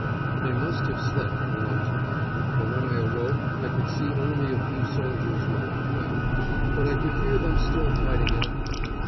I must have slept a long time, for when I awoke I could see only a few soldiers knocking about; but I could hear them still fighting it out.